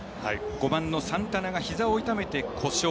５番のサンタナがひざを痛めて故障。